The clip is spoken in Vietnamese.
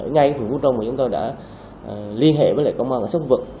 ngay phần vô trong thì chúng tôi đã liên hệ với lại công an sách vật